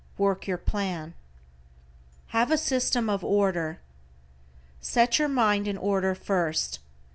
Work your plan. =HAVE A SYSTEM OF ORDER=: Set your mind in order first.